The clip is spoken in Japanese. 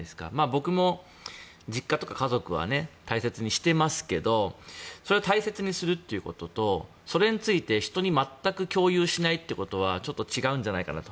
僕も実家とか家族は大切にしてますけどそれを大切にするということとそれについて人に全く共有しないということはちょっと違うんじゃないかなと。